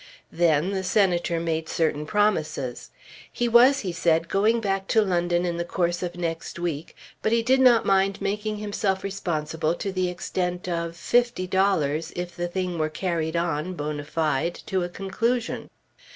Then the Senator made certain promises. He was, he said, going back to London in the course of next week, but he did not mind making himself responsible to the extent of fifty dollars if the thing were carried on, bonâ fide, to a conclusion.